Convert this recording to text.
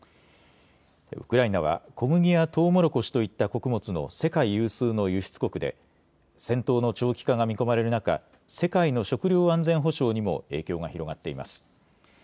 ウクライナは小麦やトウモロコシといった穀物の世界有数の輸出国で戦闘の長期化が見込まれる中、世界の食料安全保障にも影響が広がっています。